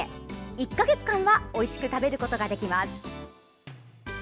１か月間はおいしく食べることができます。